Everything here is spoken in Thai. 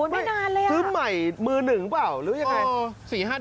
ไม่นานเลยอ่ะโอ๊ยซื้อใหม่มือหนึ่งหรือเปล่าหรืออย่างไร